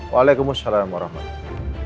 waalaikumsalam warahmatullahi wabarakatuh